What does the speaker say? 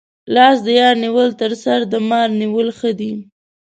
لاس د یار نیول تر سر د مار نیولو ښه دي.